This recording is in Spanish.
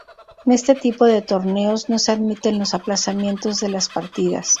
En este tipo de torneos no se admiten los aplazamientos de las partidas.